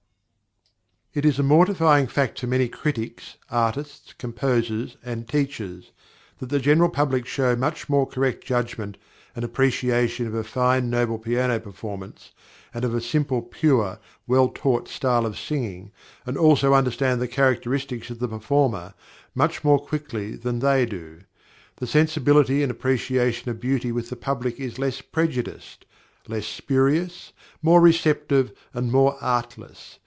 It is a mortifying fact for many critics, artists, composers, and teachers, that the general public show much more correct judgment and appreciation of a fine, noble piano performance, and of a simple, pure, well taught style of singing, and also understand the characteristics of the performer, much more quickly than they do. The sensibility and appreciation of beauty with the public is less prejudiced, less spurious, more receptive, and more artless.